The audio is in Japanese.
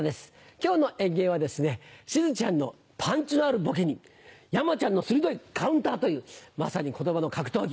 今日の演芸はしずちゃんのパンチのあるボケに山ちゃんの鋭いカウンターというまさに言葉の格闘技。